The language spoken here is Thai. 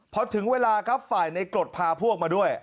เพราะถึงเวลากับฝ่ายนายกฏพาพวกมาด้วย